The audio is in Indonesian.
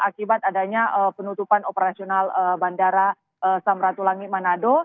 akibat adanya penutupan operasional bandara samratulangi manado